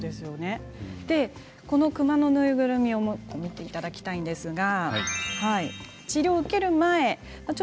この熊のぬいぐるみを見ていただきたいんですが治療を受ける前、左側。